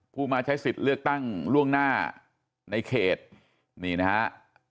มาใช้สิทธิ์เลือกตั้งล่วงหน้าในเขตนี่นะฮะ